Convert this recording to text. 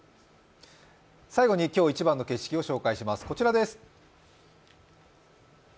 最後に、今日一番の景色を紹介します。